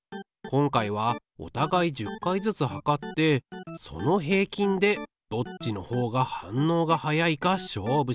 今回はおたがい１０回ずつ測ってその平均でどっちのほうが反応がはやいか勝負しよう。